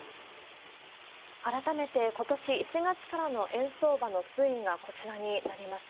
改めて、ことし１月からの円相場の推移がこちらになります。